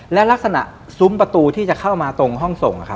และลักษณะซุ้มประตูที่จะเข้ามาตรงห้องส่ง